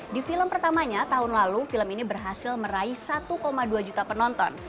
di film pertamanya tahun lalu film ini berhasil meraih satu dua juta penonton